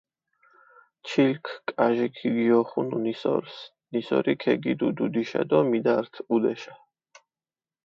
ჩილქ კაჟი ქიგიოხუნუ ნისორს, ნისორი ქეგიდუ დუდიშა დო მიდართჷ ჸუდეშა.